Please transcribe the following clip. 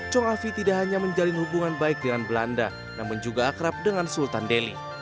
chong afi tidak hanya menjalin hubungan baik dengan belanda namun juga akrab dengan sultan delhi